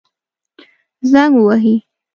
زنګ ووهئ